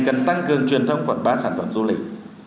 cần tăng cường truyền thông quảng bá sản phẩm du lịch